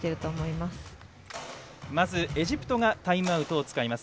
まず、エジプトがタイムアウトを使います。